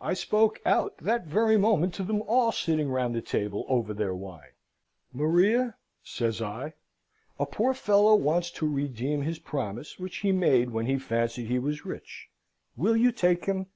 I spoke out that very moment to them all, sitting round the table, over their wine. 'Maria,' says I, 'a poor fellow wants to redeem his promise which he made when he fancied he was rich. Will you take him?'